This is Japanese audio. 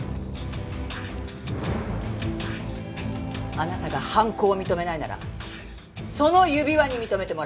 あなたが犯行を認めないならその指輪に認めてもらう。